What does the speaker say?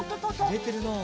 ゆれてるなあ。